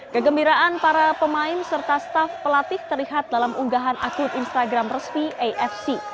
kegembiraan para pemain serta staff pelatih terlihat dalam unggahan akun instagram resmi afc